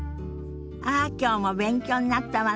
ああきょうも勉強になったわね。